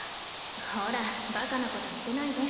ほらバカなこと言ってないで。